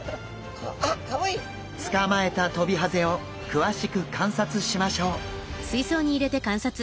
捕まえたトビハゼを詳しく観察しましょう。